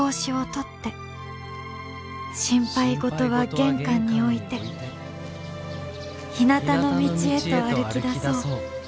「心配事は玄関に置いてひなたの道へと歩きだそう。